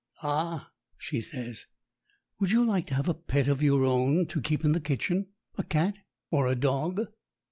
"Ah!" she says, "would you like to have a pet of your own to keep in the kitchen a cat or a dog?"